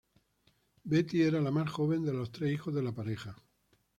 Betty era la más joven de los tres hijos de la pareja.